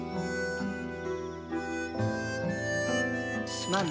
すまんの。